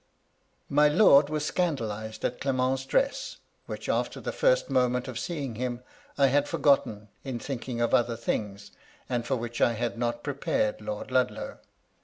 " My lord was scandalized at Clement's dress, which, after the first moment of seeing him, I had forgotten, in thinking of other things, and for which I had not prepared Lord Ludlow.